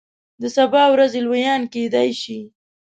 د سبا ورځې لویان کیدای شي.